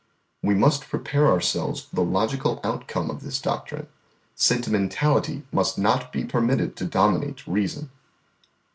We must prepare ourselves for the logical outcome of this doctrine. Sentimentality must not be permitted to dominate reason."